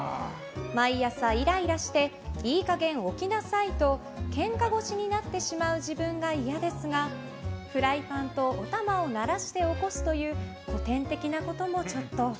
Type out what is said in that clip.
毎朝イライラしていい加減起きなさいとけんか腰になってしまう自分が嫌ですがフライパンとおたまを鳴らして起こすという古典的なこともちょっと。